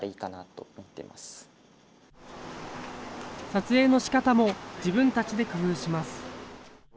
撮影のしかたも自分たちで工夫します。